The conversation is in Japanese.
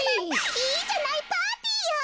いいじゃないパーティーよ！